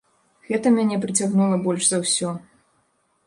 Гэта мяне прыцягнула больш за ўсё.